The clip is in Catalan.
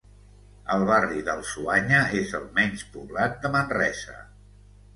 El barri del Suanya és el menys poblat de Manresa.